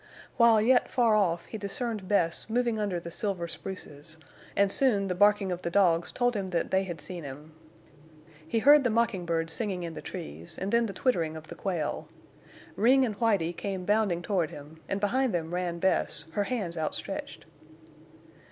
While yet far off he discerned Bess moving under the silver spruces, and soon the barking of the dogs told him that they had seen him. He heard the mocking birds singing in the trees, and then the twittering of the quail. Ring and Whitie came bounding toward him, and behind them ran Bess, her hands outstretched.